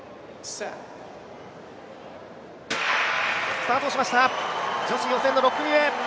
スタートしました、女子予選の６組目。